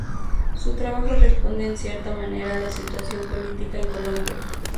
Su trabajo responde en cierta manera a la situación política en Colombia.